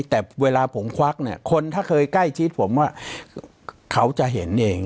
แต่เวลาผมควักเนี่ยคนถ้าเคยใกล้ชิดผมว่าเขาจะเห็นเอง